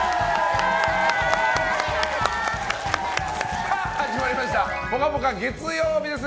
さあ、始まりました「ぽかぽか」月曜日です。